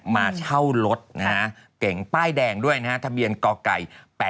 มาเช่ารถเก่งป้ายแดงด้วยทะเบียนกไก่๘๘๓๐